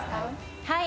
はい。